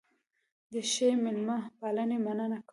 د ښې مېلمه پالنې مننه کوو.